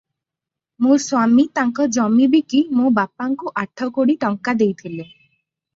ମୋ ସ୍ୱାମୀ ତାଙ୍କ ଜମି ବିକି ମୋ ବାପାଙ୍କୁ ଆଠ କୋଡ଼ି ଟଙ୍କା ଦେଇଥିଲେ ।